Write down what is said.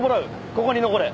ここに残れ。